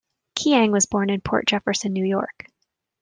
Chiang was born in Port Jefferson, New York.